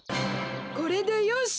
これでよし！